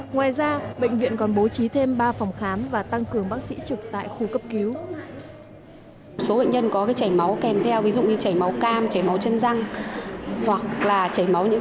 ngoài ra bệnh viện còn bố trí thêm ba phòng khám và tăng cường bác sĩ trực tại khu cấp cứu